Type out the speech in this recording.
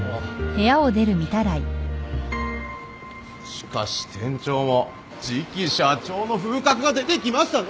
しかし店長も次期社長の風格が出てきましたね！